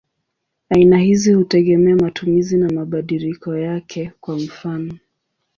Aina hizi hutegemea matumizi na mabadiliko yake; kwa mfano.